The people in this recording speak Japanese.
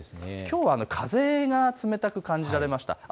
きょうは風が冷たく感じられました。